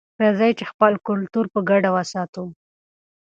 راځئ چې خپل کلتور په ګډه وساتو.